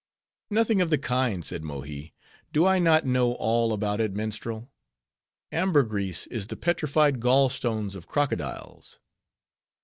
"Nothing of the kind," said Mohi. "Do I not know all about it, minstrel? Ambergris is the petrified gall stones of crocodiles."